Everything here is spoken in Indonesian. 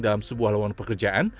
dalam sebuah lawan pekerjaan